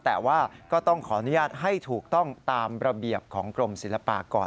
แต่ว่าก็ต้องขออนุญาตให้ถูกต้องตามระเบียบของกรมศิลปากร